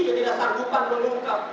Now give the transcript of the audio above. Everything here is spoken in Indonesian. jadi tidak sanggup menungkap